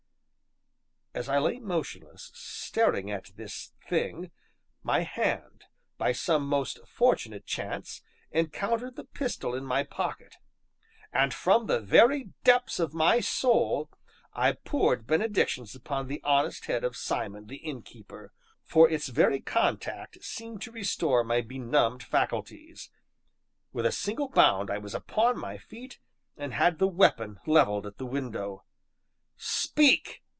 As I lay motionless, staring at this thing, my hand, by some most fortunate chance, encountered the pistol in my pocket; and, from the very depths of my soul, I poured benedictions upon the honest head of Simon the Innkeeper, for its very contact seemed to restore my benumbed faculties. With a single bound I was upon my feet, and had the weapon levelled at the window. "Speak!"